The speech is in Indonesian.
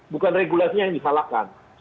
bukan regulasinya yang disalahkan